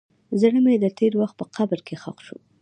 زړه مې د تېر وخت په قبر کې ښخ شو.